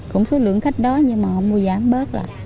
cũng số lượng khách đó nhưng mà không mua giảm bớt là